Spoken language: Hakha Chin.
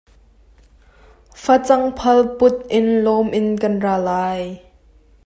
Facang phal put in lawm in kan ra lai.